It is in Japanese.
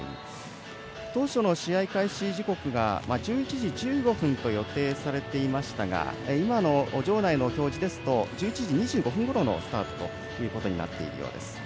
当初の試合開始時刻が１１時１５分と予定されていましたが今の場内の表示ですと１１時２５分ごろのスタートとなります。